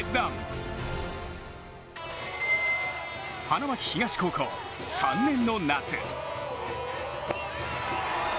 花巻東高校３年の夏。